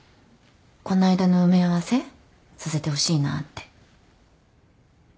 この間の埋め合わせさせてほしいなって。